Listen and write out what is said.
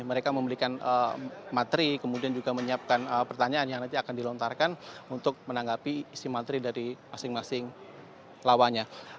mereka memberikan materi kemudian juga menyiapkan pertanyaan yang nanti akan dilontarkan untuk menanggapi isi materi dari masing masing lawannya